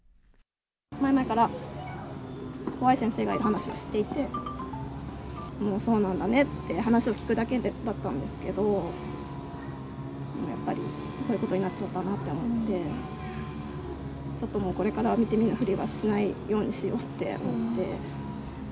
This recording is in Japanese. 前々から怖い先生がいる話は知っていて、そうなんだねって話を聞くだけだったんですけど、やっぱり、こういうことになっちゃったなと思って、ちょっともうこれからは見て見ぬふりはしないようにしようと思って。